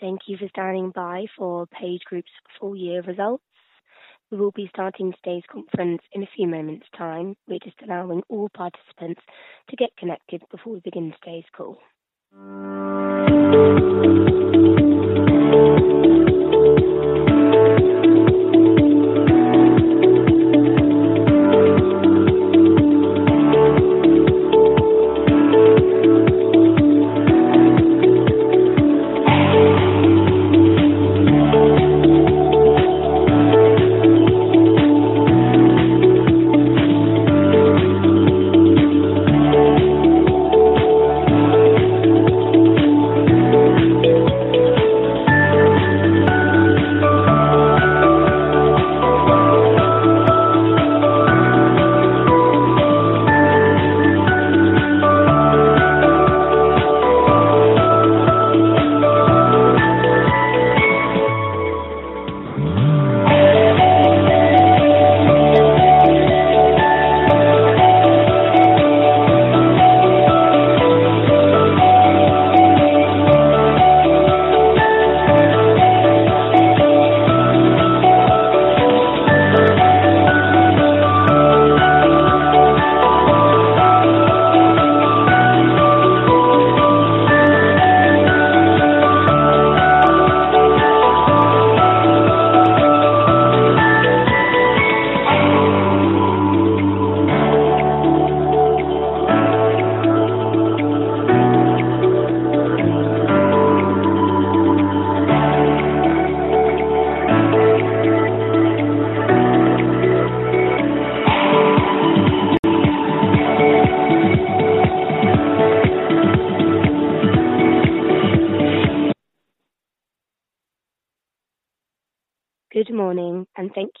Thank you for standing by for PageGroup's full-year results. We will be starting today's conference in a few moments' time. We're just allowing all participants to get connected before we begin today's call.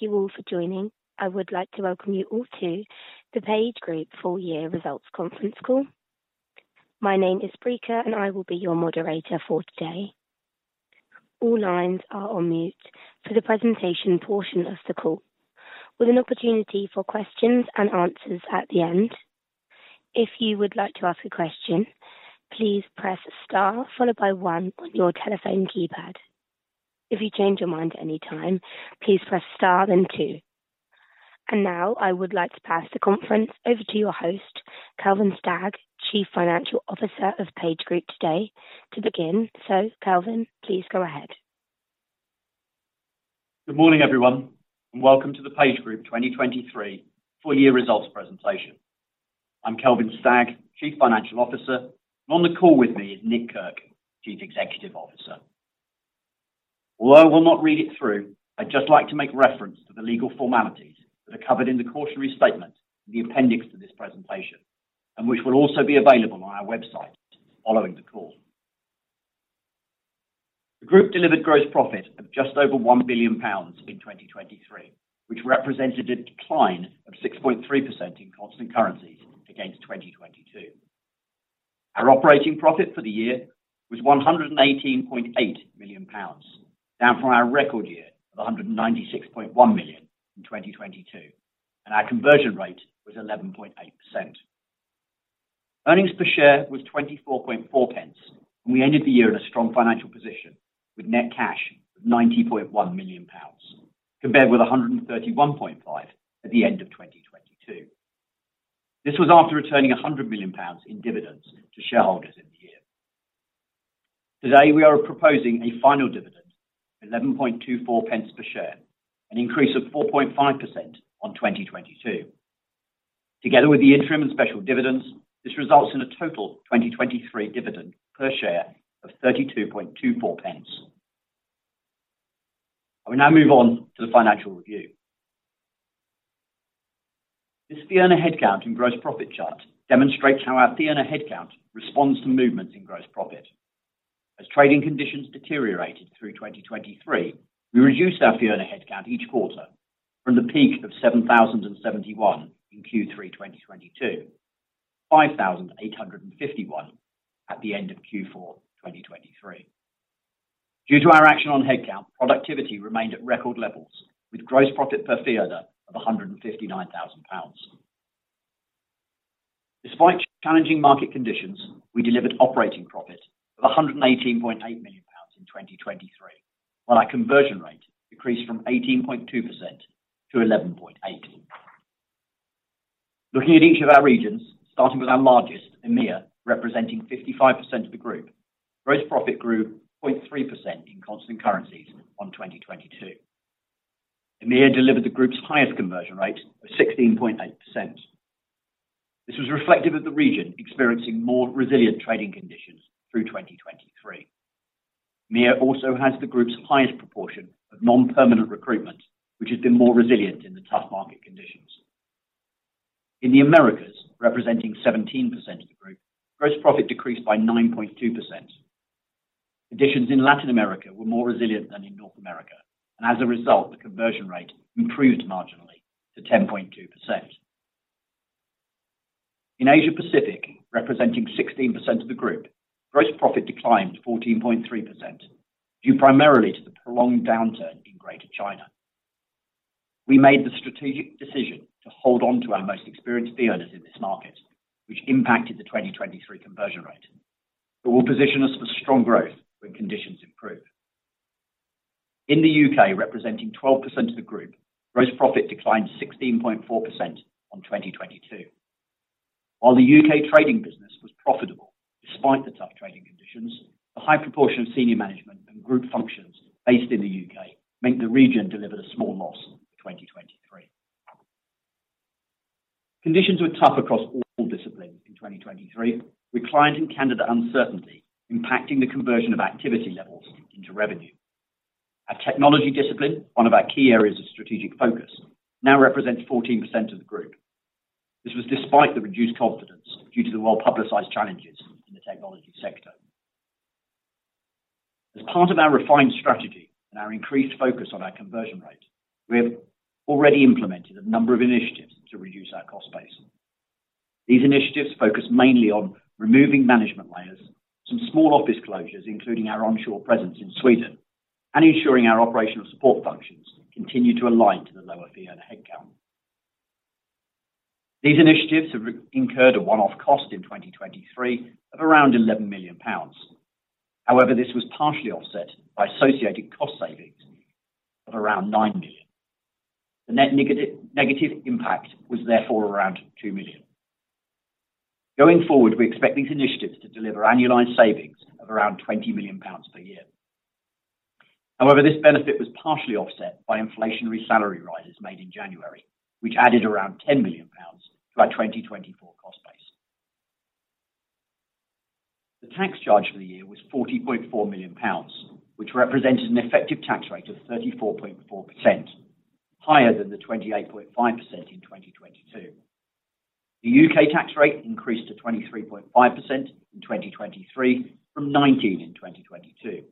Good morning, and thank you all for joining. I would like to welcome you all to the PageGroup full-year results conference call. My name is Preeka, and I will be your moderator for today. All lines are on mute for the presentation portion of the call, with an opportunity for questions and answers at the end. If you would like to ask a question, please press star followed by one on your telephone keypad. If you change your mind at any time, please press star then two. And now I would like to pass the conference over to your host, Kelvin Stagg, Chief Financial Officer of PageGroup today, to begin. So, Kelvin, please go ahead. Good morning, everyone, and welcome to the PageGroup 2023 full-year results presentation. I'm Kelvin Stagg, Chief Financial Officer, and on the call with me is Nick Kirk, Chief Executive Officer. Although I will not read it through, I'd just like to make reference to the legal formalities that are covered in the cautionary statement in the appendix to this presentation, and which will also be available on our website following the call. The group delivered gross profit of just over 1 billion pounds in 2023, which represented a decline of 6.3% in constant currencies against 2022. Our operating profit for the year was 118.8 million pounds, down from our record year of 196.1 million in 2022, and our conversion rate was 11.8%. Earnings per share was 0.24, and we ended the year in a strong financial position with net cash of 90.1 million pounds, compared with 131.5 million at the end of 2022. This was after returning 100 million pounds in dividends to shareholders in the year. Today, we are proposing a final dividend of 11.24 per share, an increase of 4.5% on 2022. Together with the interim and special dividends, this results in a total 2023 dividend per share of 32.24. I will now move on to the financial review. This Fee Earner headcount and gross profit chart demonstrates how our Fee Earner headcount responds to movements in gross profit. As trading conditions deteriorated through 2023, we reduced our Fee Earner headcount each quarter from the peak of 7,071 in Q3 2022 to 5,851 at the end of Q4 2023. Due to our action on headcount, productivity remained at record levels, with gross profit per Fee Earner of 159,000 pounds. Despite challenging market conditions, we delivered operating profit of 118.8 million pounds in 2023, while our conversion rate decreased from 18.2% to 11.8%. Looking at each of our regions, starting with our largest, EMEA, representing 55% of the group, gross profit grew 0.3% in constant currencies on 2022. EMEA delivered the group's highest conversion rate of 16.8%. This was reflective of the region experiencing more resilient trading conditions through 2023. EMEA also has the group's highest proportion of non-permanent recruitment, which has been more resilient in the tough market conditions. In the Americas, representing 17% of the group, gross profit decreased by 9.2%. Additions in Latin America were more resilient than in North America, and as a result, the conversion rate improved marginally to 10.2%. In Asia Pacific, representing 16% of the group, gross profit declined to 14.3% due primarily to the prolonged downturn in Greater China. We made the strategic decision to hold on to our most experienced fee earners in this market, which impacted the 2023 conversion rate, but will position us for strong growth when conditions improve. In the U.K., representing 12% of the group, gross profit declined to 16.4% on 2022. While the U.K. trading business was profitable despite the tough trading conditions, the high proportion of senior management and group functions based in the U.K. meant the region delivered a small loss for 2023. Conditions were tough across all disciplines in 2023, with client and candidate uncertainty impacting the conversion of activity levels into revenue. Our technology discipline, one of our key areas of strategic focus, now represents 14% of the group. This was despite the reduced confidence due to the well-publicized challenges in the technology sector. As part of our refined strategy and our increased focus on our conversion rate, we have already implemented a number of initiatives to reduce our cost base. These initiatives focus mainly on removing management layers, some small office closures including our onshore presence in Sweden, and ensuring our operational support functions continue to align to the lower fee earner headcount. These initiatives have incurred a one-off cost in 2023 of around 11 million pounds. However, this was partially offset by associated cost savings of around 9 million. The net negative impact was therefore around 2 million. Going forward, we expect these initiatives to deliver annualized savings of around 20 million pounds per year. However, this benefit was partially offset by inflationary salary rises made in January, which added around 10 million pounds to our 2024 cost base. The tax charge for the year was 40.4 million pounds, which represented an effective tax rate of 34.4%, higher than the 28.5% in 2022. The U.K. tax rate increased to 23.5% in 2023 from 19% in 2022.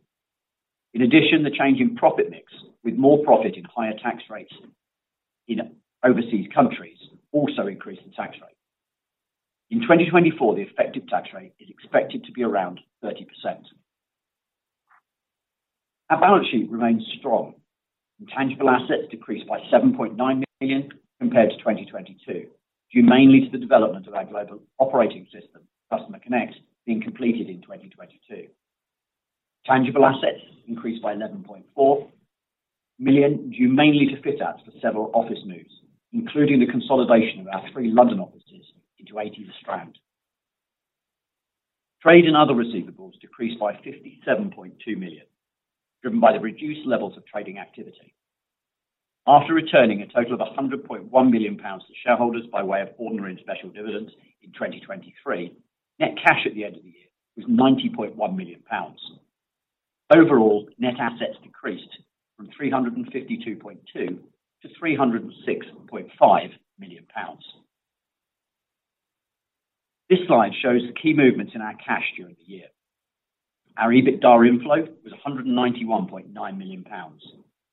In addition, the change in profit mix with more profit in higher tax rates in overseas countries also increased the tax rate. In 2024, the effective tax rate is expected to be around 30%. Our balance sheet remains strong. Tangible assets decreased by 7.9 million compared to 2022 due mainly to the development of our global operating system, Customer Connect, being completed in 2022. Tangible assets increased by 11.4 million due mainly to fit-ups for several office moves, including the consolidation of our three London offices into 80 Strand. Trade and other receivables decreased by 57.2 million, driven by the reduced levels of trading activity. After returning a total of 100.1 million pounds to shareholders by way of ordinary and special dividends in 2023, net cash at the end of the year was 90.1 million pounds. Overall, net assets decreased from 352.2-306.5 million pounds. This slide shows the key movements in our cash during the year. Our EBITDA inflow was 191.9 million pounds,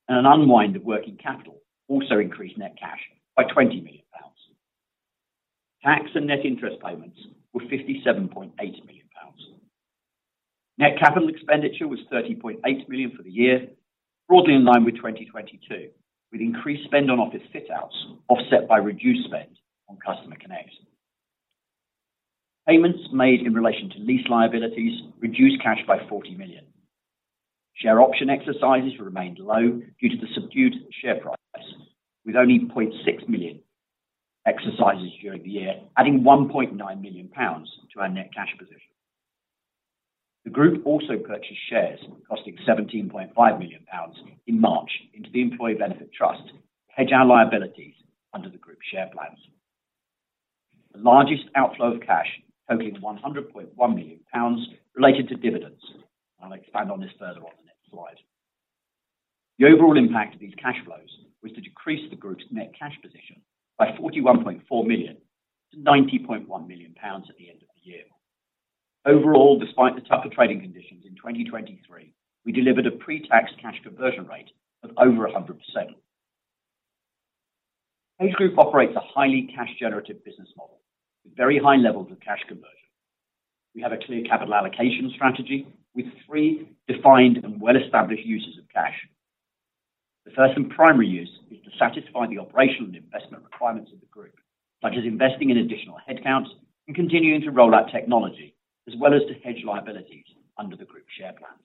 and an unwind of working capital also increased net cash by 20 million pounds. Tax and net interest payments were 57.8 million pounds. Net capital expenditure was 30.8 million for the year, broadly in line with 2022, with increased spend on office fit-outs offset by reduced spend on Customer Connect. Payments made in relation to lease liabilities reduced cash by 40 million. Share option exercises remained low due to the subdued share price, with only 0.6 million exercises during the year adding 1.9 million pounds to our net cash position. The group also purchased shares costing GBP 17.5 million in March into the Employee Benefit Trust to hedge our liabilities under the group's share plans. The largest outflow of cash, totaling 100.1 million pounds, related to dividends, and I'll expand on this further on the next slide. The overall impact of these cash flows was to decrease the group's net cash position by 41.4 million to 90.1 million pounds at the end of the year. Overall, despite the tougher trading conditions in 2023, we delivered a pre-tax cash conversion rate of over 100%. PageGroup operates a highly cash-generative business model with very high levels of cash conversion. We have a clear capital allocation strategy with three defined and well-established uses of cash. The first and primary use is to satisfy the operational and investment requirements of the group, such as investing in additional headcounts and continuing to roll out technology, as well as to hedge liabilities under the group's share plans.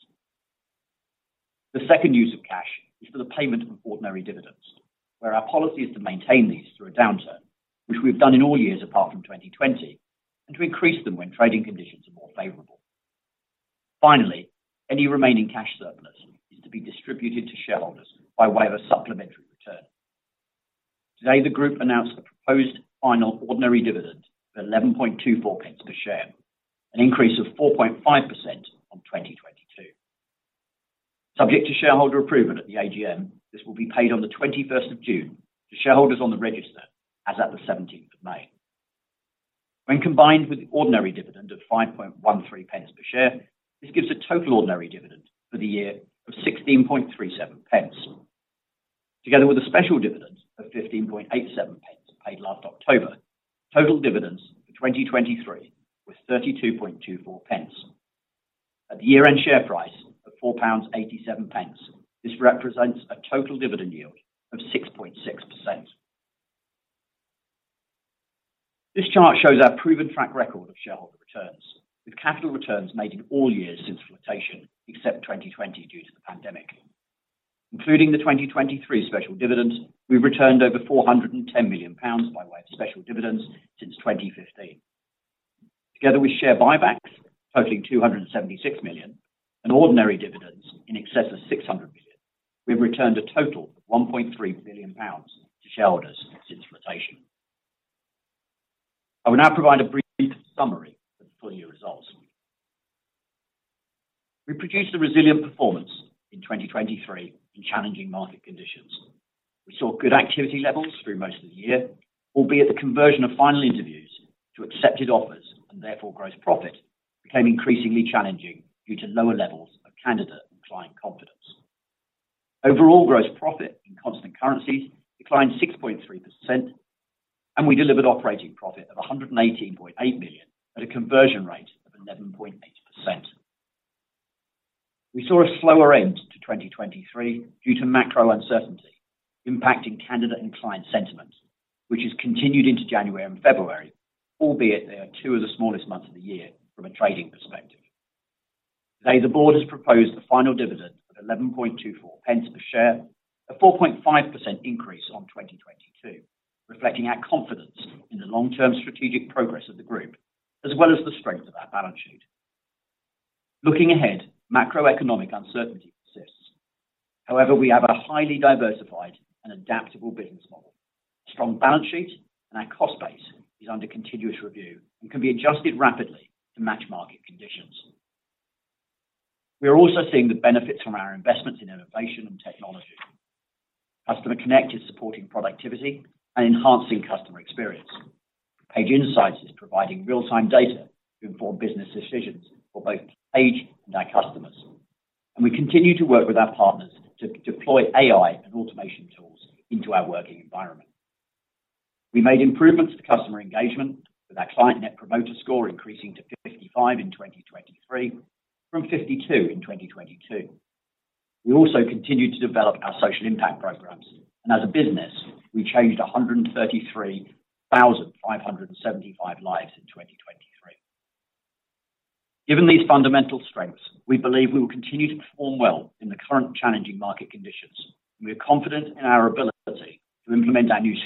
The second use of cash is for the payment of ordinary dividends, where our policy is to maintain these through a downturn, which we have done in all years apart from 2020, and to increase them when trading conditions are more favorable. Finally, any remaining cash surplus is to be distributed to shareholders by way of a supplementary return. Today, the group announced a proposed final ordinary dividend of 11.24 per share, an increase of 4.5% on 2022. Subject to shareholder approval at the AGM, this will be paid on the 21st of June to shareholders on the register as of the 17th of May. When combined with the ordinary dividend of 5.13 per share, this gives a total ordinary dividend for the year of 16.37. Together with a special dividend of 15.87 paid last October, total dividends for 2023 were 32.24. At the year-end share price of 4.87 pounds, this represents a total dividend yield of 6.6%. This chart shows our proven track record of shareholder returns, with capital returns made in all years since flotation except 2020 due to the pandemic. Including the 2023 special dividend, we've returned over 410 million pounds by way of special dividends since 2015. Together with share buybacks, totaling 276 million, and ordinary dividends in excess of 600 million, we have returned a total of 1.3 billion pounds to shareholders since flotation. I will now provide a brief summary of the full year results. We produced a resilient performance in 2023 in challenging market conditions. We saw good activity levels through most of the year, albeit the conversion of final interviews to accepted offers and therefore gross profit became increasingly challenging due to lower levels of candidate and client confidence. Overall, gross profit in constant currencies declined 6.3%, and we delivered operating profit of 118.8 million at a conversion rate of 11.8%. We saw a slower end to 2023 due to macro uncertainty impacting candidate and client sentiment, which has continued into January and February, albeit they are two of the smallest months of the year from a trading perspective. Today, the board has proposed the final dividend of 11.24 per share, a 4.5% increase on 2022, reflecting our confidence in the long-term strategic progress of the group as well as the strength of our balance sheet. Looking ahead, macroeconomic uncertainty persists. However, we have a highly diversified and adaptable business model. A strong balance sheet and our cost base is under continuous review and can be adjusted rapidly to match market conditions. We are also seeing the benefits from our investments in innovation and technology. Customer Connect is supporting productivity and enhancing customer experience. Page Insights is providing real-time data to inform business decisions for both Page and our customers, and we continue to work with our partners to deploy AI and automation tools into our working environment. We made improvements to customer engagement with our client net promoter score increasing to 55 in 2023 from 52 in 2022. We also continue to develop our social impact programs, and as a business, we changed 133,575 lives in 2023. Given these fundamental strengths, we believe we will continue to perform well in the current challenging market conditions, and we are confident in our ability to implement our new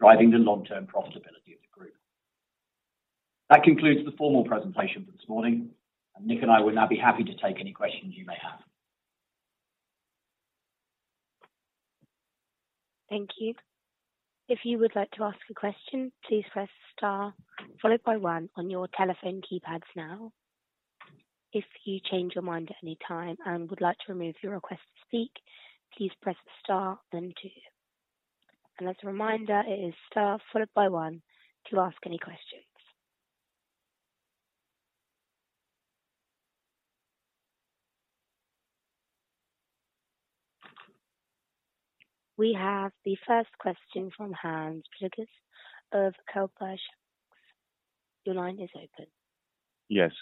strategy driving the long-term profitability of the group. That concludes the formal presentation for this morning, and Nick and I will now be happy to take any questions you may have. Thank you. If you would like to ask a question, please press star followed by one on your telephone keypads now. If you change your mind at any time and would like to remove your request to speak, please press star then two. As a reminder, it is star followed by one to ask any questions. We have the first question from Hans Pluijgers of Kepler Cheuvreux. Your line is open. Yes.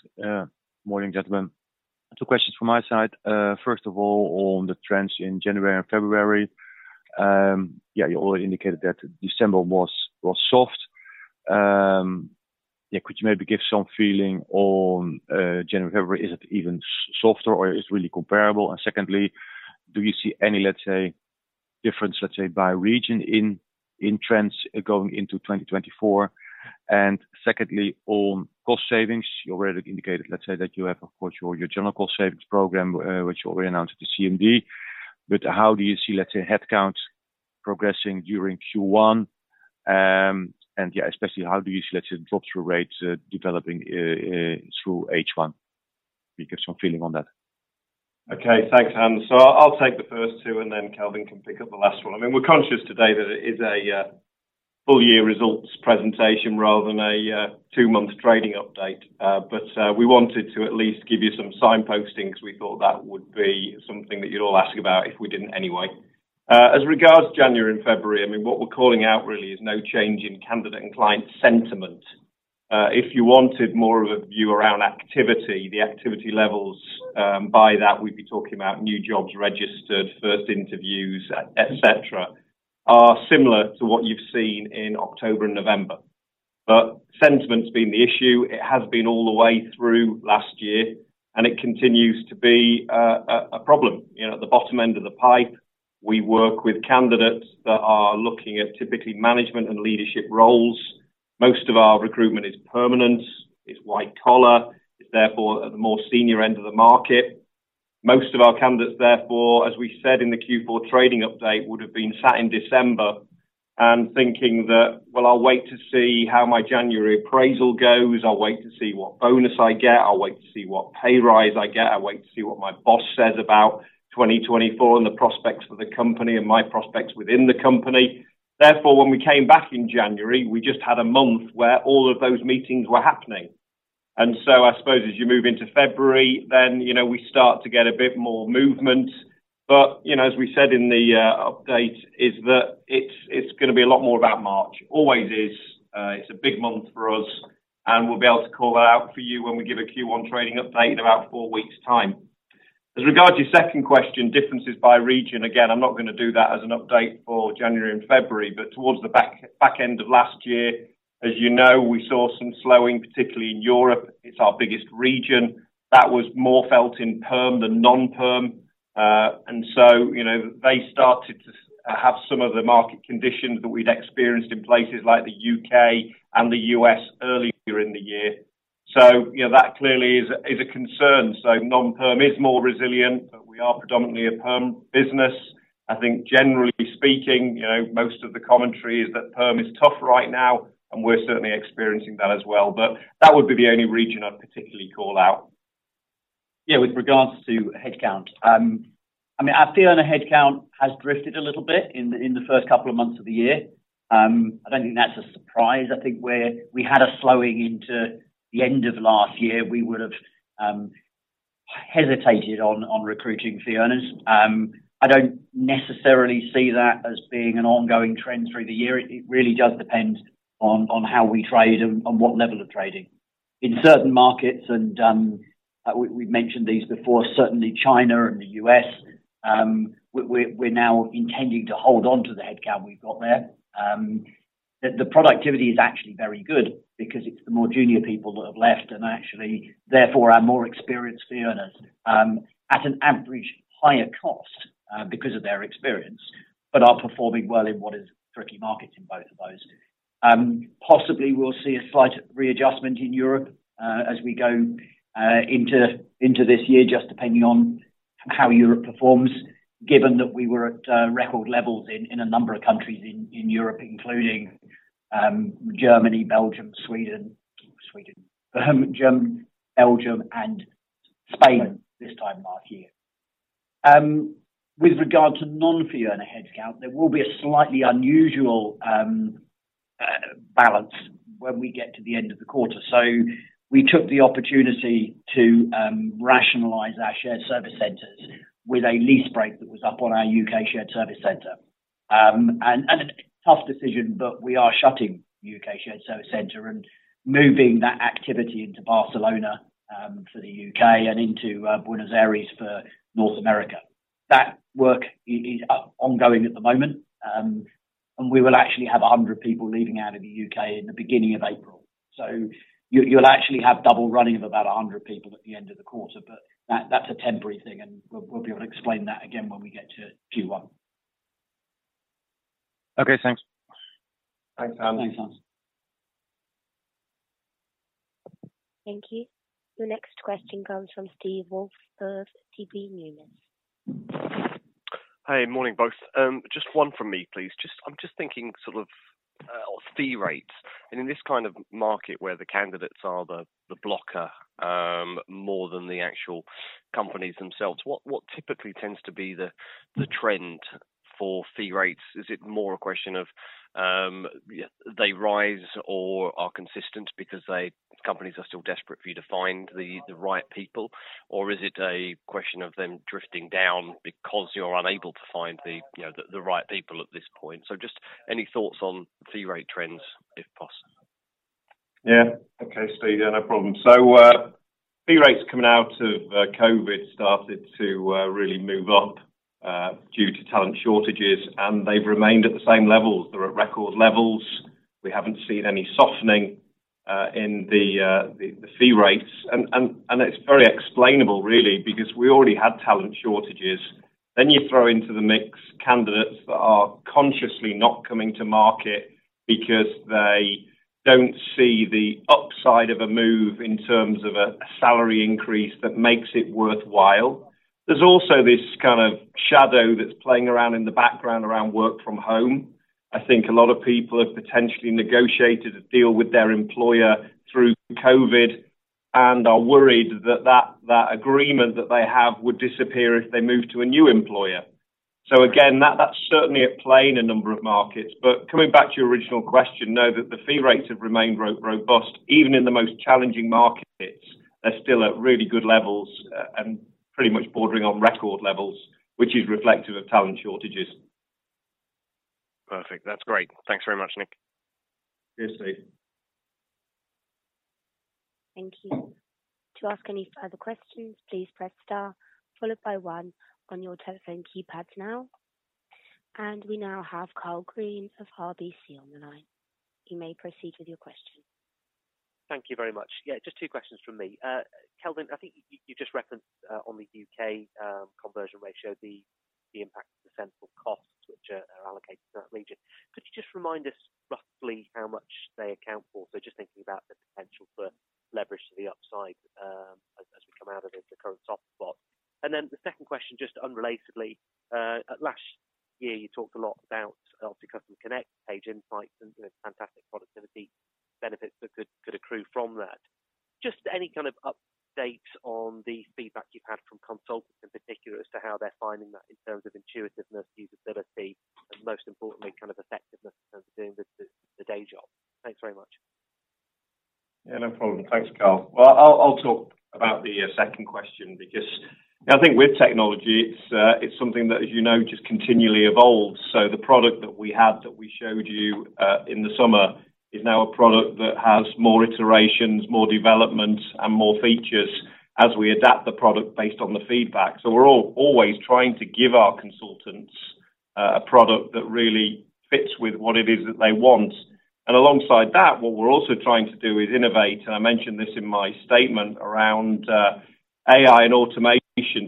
Morning, gentlemen. Two questions from my side. First of all, on the trends in January and February, yeah, you already indicated that December was soft. Yeah, could you maybe give some feeling on January and February? Is it even softer or is it really comparable? And secondly, do you see any, let's say, difference, let's say, by region in trends going into 2024? And secondly, on cost savings, you already indicated, let's say, that you have, of course, your general cost savings program, which you already announced at the CMD. But how do you see, let's say, headcount progressing during Q1? And yeah, especially how do you see, let's say, drop-through rates developing through H1? Can you give some feeling on that? Okay. Thanks, Hans. So I'll take the first two, and then Kelvin can pick up the last one. I mean, we're conscious today that it is a full year results presentation rather than a two-month trading update, but we wanted to at least give you some signposting because we thought that would be something that you'd all ask about if we didn't anyway. As regards to January and February, I mean, what we're calling out really is no change in candidate and client sentiment. If you wanted more of a view around activity, the activity levels by that, we'd be talking about new jobs registered, first interviews, etc., are similar to what you've seen in October and November. But sentiment's been the issue. It has been all the way through last year, and it continues to be a problem. At the bottom end of the pipe, we work with candidates that are looking at typically management and leadership roles. Most of our recruitment is permanent. It's white collar. It's therefore at the more senior end of the market. Most of our candidates, therefore, as we said in the Q4 trading update, would have been sat in December and thinking that, "Well, I'll wait to see how my January appraisal goes. I'll wait to see what bonus I get. I'll wait to see what pay rise I get. I'll wait to see what my boss says about 2024 and the prospects for the company and my prospects within the company." Therefore, when we came back in January, we just had a month where all of those meetings were happening. And so I suppose as you move into February, then we start to get a bit more movement. But as we said in the update, is that it's going to be a lot more about March. Always is. It's a big month for us, and we'll be able to call that out for you when we give a Q1 trading update in about four weeks' time. As regards to your second question, differences by region, again, I'm not going to do that as an update for January and February, but towards the back end of last year, as you know, we saw some slowing, particularly in Europe. It's our biggest region. That was more felt in Perm than non-Perm. And so they started to have some of the market conditions that we'd experienced in places like the U.K. and the U.S. earlier in the year. So that clearly is a concern. So non-Perm is more resilient, but we are predominantly a Perm business. I think generally speaking, most of the commentary is that Perm is tough right now, and we're certainly experiencing that as well. But that would be the only region I'd particularly call out. Yeah, with regards to headcount, I mean, our fee earner headcount has drifted a little bit in the first couple of months of the year. I don't think that's a surprise. I think where we had a slowing into the end of last year, we would have hesitated on recruiting fee earners. I don't necessarily see that as being an ongoing trend through the year. It really does depend on how we trade and what level of trading. In certain markets, and we've mentioned these before, certainly China and the U.S., we're now intending to hold onto the headcount we've got there. The productivity is actually very good because it's the more junior people that have left and actually, therefore, our more experienced fee earners at an average higher cost because of their experience, but are performing well in what is tricky markets in both of those. Possibly, we'll see a slight readjustment in Europe as we go into this year, just depending on how Europe performs, given that we were at record levels in a number of countries in Europe, including Germany, Belgium, Sweden, Germany, Belgium, and Spain this time last year. With regard to non-fee earner headcount, there will be a slightly unusual balance when we get to the end of the quarter. So we took the opportunity to rationalize our shared service centers with a lease break that was up on our U.K. shared service center. And a tough decision, but we are shutting U.K. shared service center and moving that activity into Barcelona for the U.K. and into Buenos Aires for North America. That work is ongoing at the moment, and we will actually have 100 people leaving out of the U.K. in the beginning of April. So you'll actually have double running of about 100 people at the end of the quarter, but that's a temporary thing, and we'll be able to explain that again when we get to Q1. Okay. Thanks. Thanks, Hans. Thanks, Hans. Thank you. The next question comes from Steve Woolf of Deutsche Numis. Hi. Morning, both. Just one from me, please. I'm just thinking sort of fee rates. And in this kind of market where the candidates are the blocker more than the actual companies themselves, what typically tends to be the trend for fee rates? Is it more a question of they rise or are consistent because companies are still desperate for you to find the right people, or is it a question of them drifting down because you're unable to find the right people at this point? So just any thoughts on fee rate trends, if possible. Yeah. Okay, Steve. Yeah, no problem. So fee rates coming out of COVID started to really move up due to talent shortages, and they've remained at the same levels. They're at record levels. We haven't seen any softening in the fee rates. And it's very explainable, really, because we already had talent shortages. Then you throw into the mix candidates that are consciously not coming to market because they don't see the upside of a move in terms of a salary increase that makes it worthwhile. There's also this kind of shadow that's playing around in the background around work from home. I think a lot of people have potentially negotiated a deal with their employer through COVID and are worried that that agreement that they have would disappear if they move to a new employer. So again, that's certainly at play in a number of markets. Coming back to your original question, know that the fee rates have remained robust. Even in the most challenging markets, they're still at really good levels and pretty much bordering on record levels, which is reflective of talent shortages. Perfect. That's great. Thanks very much, Nick. Cheers, Steve. Thank you. To ask any further questions, please press star followed by one on your telephone keypads now. We now have Karl Green of RBC on the line. You may proceed with your question. Thank you very much. Yeah, just two questions from me. Kelvin, I think you just referenced on the U.K. conversion ratio, the impact of the central costs which are allocated to that region. Could you just remind us roughly how much they account for? So just thinking about the potential for leverage to the upside as we come out of the current soft spot. And then the second question, just unrelatedly, last year, you talked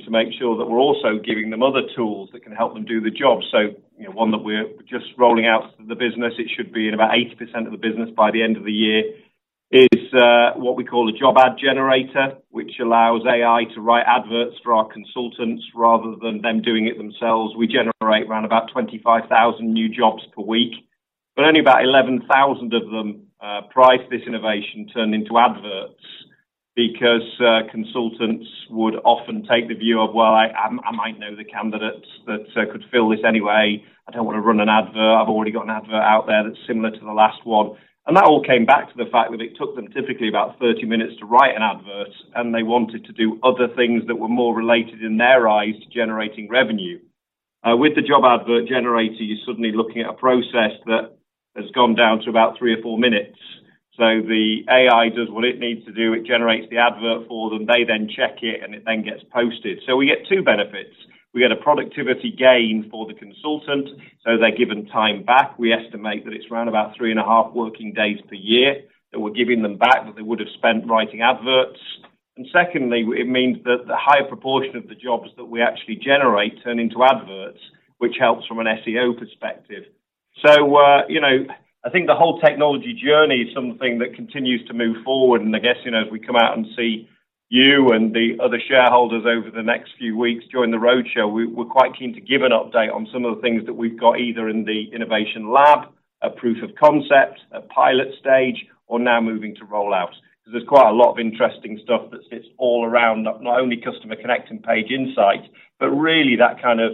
to make sure that we're also giving them other tools that can help them do the job. So one that we're just rolling out to the business, it should be in about 80% of the business by the end of the year, is what we call a Job ad generator, which allows AI to write adverts for our consultants rather than them doing it themselves. We generate around about 25,000 new jobs per week, but only about 11,000 of them prior to this innovation turned into adverts because consultants would often take the view of, "Well, I might know the candidates that could fill this anyway. I don't want to run an advert. I've already got an advert out there that's similar to the last one." And that all came back to the fact that it took them typically about 30 minutes to write an advert, and they wanted to do other things that were more related in their eyes to generating revenue. With the job ad generator, you're suddenly looking at a process that has gone down to about three or four minutes. The AI does what it needs to do. It generates the ad for them. They then check it, and it then gets posted. We get two benefits. We get a productivity gain for the consultant. They're given time back. We estimate that it's around about three and a half working days per year that we're giving them back that they would have spent writing ads. Secondly, it means that the higher proportion of the jobs that we actually generate turn into ads, which helps from an SEO perspective. I think the whole technology journey is something that continues to move forward. I guess as we come out and see you and the other shareholders over the next few weeks join the roadshow, we're quite keen to give an update on some of the things that we've got either in the innovation lab, a proof of concept, a pilot stage, or now moving to rollout because there's quite a lot of interesting stuff that sits all around not only Customer Connect and Page Insights, but really that kind of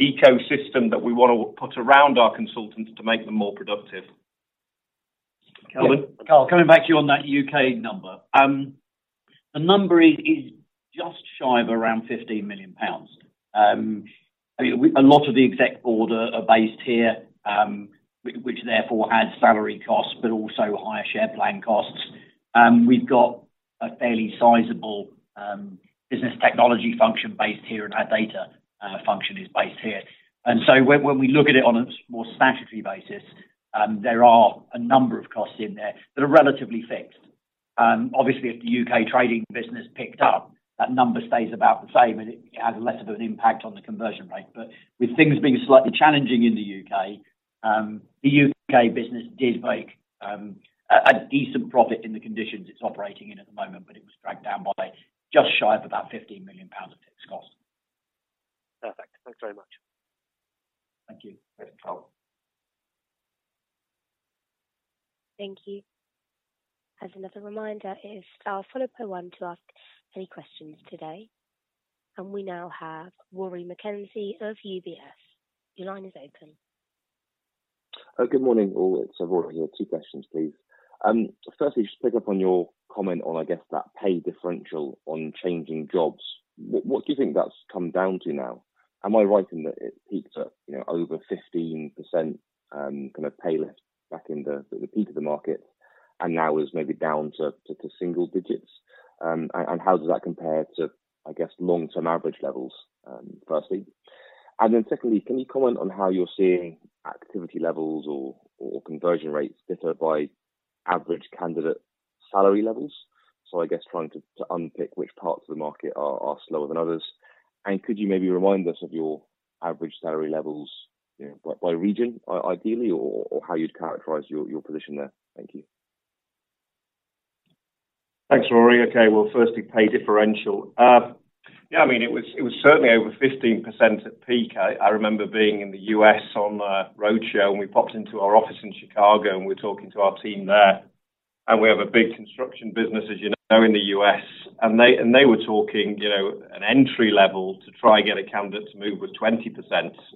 ecosystem that we want to put around our consultants to make them more productive. Kelvin? Karl, coming back to you on that U.K. number. The number is just shy of around 15 million pounds. A lot of the exec board are based here, which therefore adds salary costs, but also higher share plan costs. We've got a fairly sizable business technology function based here, and our data function is based here. And so when we look at it on a more statutory basis, there are a number of costs in there that are relatively fixed. Obviously, if the U.K. trading business picked up, that number stays about the same, and it has less of an impact on the conversion rate. But with things being slightly challenging in the U.K., the U.K. business did make a decent profit in the conditions it's operating in at the moment, but it was dragged down by just shy of about 15 million pounds of fixed costs. Perfect. Thanks very much. Thank you. Thank you. Thank you. As another reminder, it is star followed by one to ask any questions today. We now have Rory McKenzie of UBS. Your line is open. Good morning, all. It's Aurora. Two questions, please. Firstly, just to pick up on your comment on, I guess, that pay differential on changing jobs. What do you think that's come down to now? Am I right in that it peaked at over 15% kind of pay lift back in the peak of the market and now is maybe down to single digits? And how does that compare to, I guess, long-term average levels, firstly? And then secondly, can you comment on how you're seeing activity levels or conversion rates differ by average candidate salary levels? So I guess trying to unpick which parts of the market are slower than others. And could you maybe remind us of your average salary levels by region, ideally, or how you'd characterise your position there? Thank you. Thanks, Rory. Okay. Well, firstly, pay differential. Yeah, I mean, it was certainly over 15% at peak. I remember being in the U.S. on a roadshow, and we popped into our office in Chicago, and we were talking to our team there. And we have a big construction business, as you know, in the U.S. And they were talking an entry level to try and get a candidate to move was 20%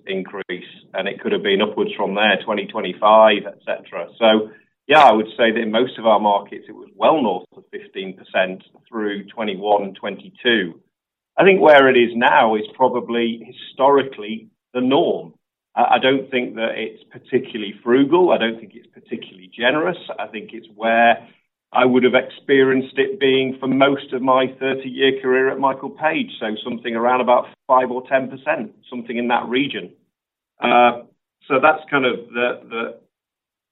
increase, and it could have been upwards from there, 2025, etc. So yeah, I would say that in most of our markets, it was well north of 15% through 2021, 2022. I think where it is now is probably historically the norm. I don't think that it's particularly frugal. I don't think it's particularly generous. I think it's where I would have experienced it being for most of my 30-year career at Michael Page, so something around about 5% or 10%, something in that region. So that's kind of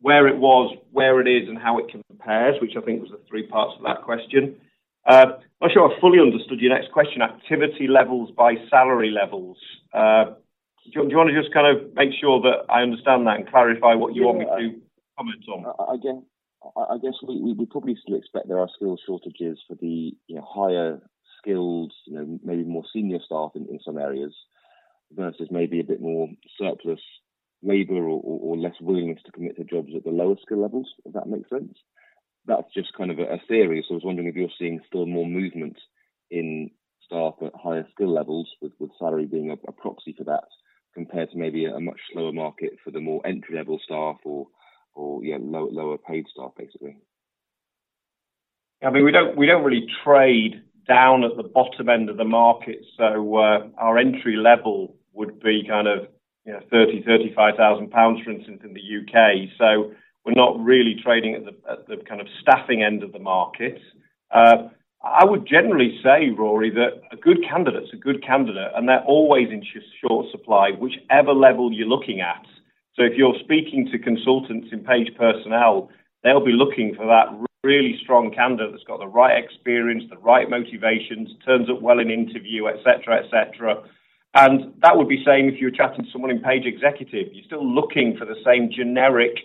where it was, where it is, and how it compares, which I think was the three parts of that question. Not sure I fully understood your next question, activity levels by salary levels. Do you want to just kind of make sure that I understand that and clarify what you want me to comment on? Again, I guess we probably still expect there are skill shortages for the higher-skilled, maybe more senior staff in some areas versus maybe a bit more surplus labor or less willingness to commit to jobs at the lower skill levels, if that makes sense. That's just kind of a theory. So I was wondering if you're seeing still more movement in staff at higher skill levels, with salary being a proxy for that compared to maybe a much slower market for the more entry-level staff or lower-paid staff, basically. Yeah, I mean, we don't really trade down at the bottom end of the market. So our entry level would be kind of 30,000-35,000 pounds, for instance, in the U.K.. So we're not really trading at the kind of staffing end of the market. I would generally say, Rory, that a good candidate's a good candidate, and they're always in short supply, whichever level you're looking at. So if you're speaking to consultants in Page Personnel, they'll be looking for that really strong candidate that's got the right experience, the right motivations, turns up well in interview, etc., etc. And that would be same if you were chatting to someone in Page Executive. You're still looking for the same generic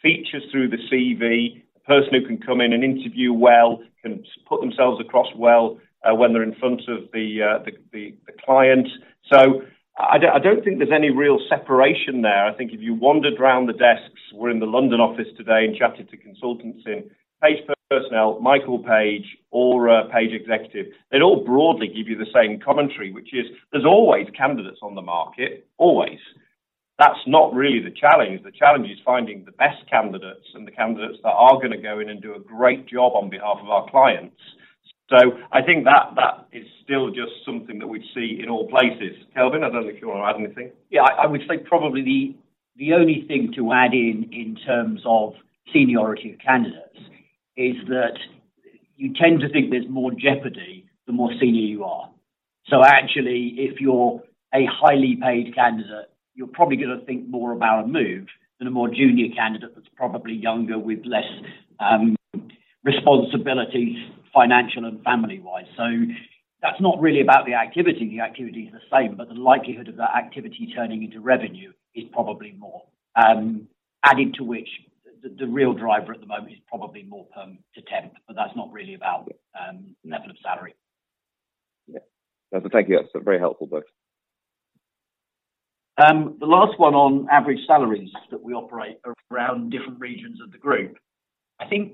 features through the CV, a person who can come in and interview well, can put themselves across well when they're in front of the client. So I don't think there's any real separation there. I think if you wandered round the desks (we're in the London office today) and chatted to consultants in Page Personnel, Michael Page, Aurora, Page Executive—they'd all broadly give you the same commentary, which is there's always candidates on the market, always. That's not really the challenge. The challenge is finding the best candidates and the candidates that are going to go in and do a great job on behalf of our clients. So I think that is still just something that we'd see in all places. Kelvin, I don't know if you want to add anything. Yeah, I would say probably the only thing to add in in terms of seniority of candidates is that you tend to think there's more jeopardy the more senior you are. So actually, if you're a highly paid candidate, you're probably going to think more about a move than a more junior candidate that's probably younger with less responsibilities, financial and family-wise. So that's not really about the activity. The activity's the same, but the likelihood of that activity turning into revenue is probably more, added to which the real driver at the moment is probably more perm to temp, but that's not really about level of salary. Yeah. Perfect. Thank you. That's very helpful, both. The last one on average salaries that we operate around different regions of the group. I think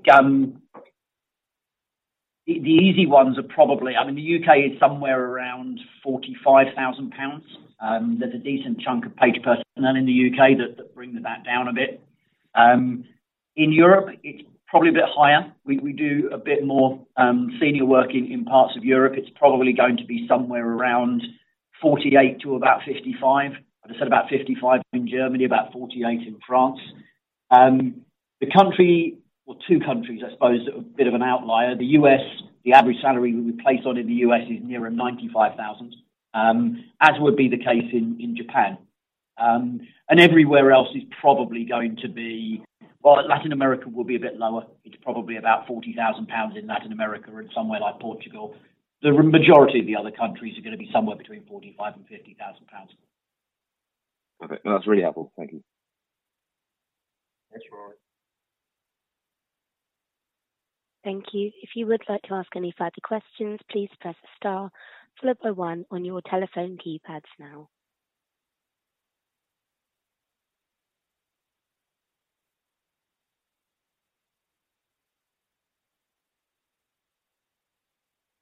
the easy ones are probably I mean, the U.K. is somewhere around 45,000 pounds. There's a decent chunk of Page Personnel in the U.K. that bring that down a bit. In Europe, it's probably a bit higher. We do a bit more senior work in parts of Europe. It's probably going to be somewhere around 48,000-55,000. I've said about 55,000 in Germany, about 48,000 in France. The country well, two countries, I suppose, that are a bit of an outlier. The average salary we place on in the U.S. is nearer 95,000, as would be the case in Japan. And everywhere else is probably going to be well, Latin America will be a bit lower. It's probably about 40,000 pounds in Latin America and somewhere like Portugal. The majority of the other countries are going to be somewhere between 45,000 and 50,000 pounds. Perfect. No, that's really helpful. Thank you. Thanks, Rory. Thank you. If you would like to ask any further questions, please press star followed by one on your telephone keypads now.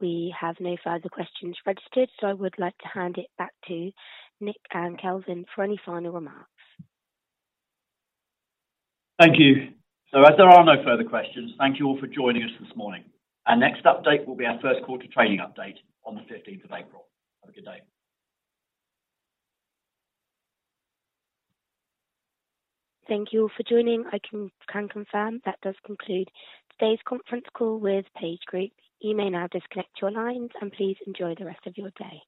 We have no further questions registered, so I would like to hand it back to Nick and Kelvin for any final remarks. Thank you. As there are no further questions, thank you all for joining us this morning. Our next update will be our first quarter trading update on to April 15th. Have a good day. Thank you all for joining. I can confirm that does conclude today's conference call with PageGroup. You may now disconnect your lines, and please enjoy the rest of your day.